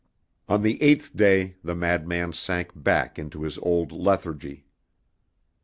On the eighth day the madman sank back into his old lethargy.